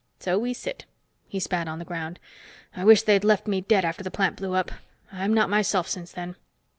So we sit." He spat on the ground. "I wish they'd left me dead after the plant blew up. I'm not myself since then."